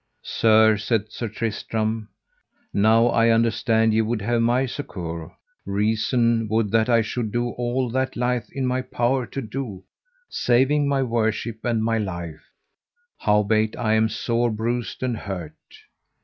Sir, said Sir Tristram, now I understand ye would have my succour, reason would that I should do all that lieth in my power to do, saving my worship and my life, howbeit I am sore bruised and hurt.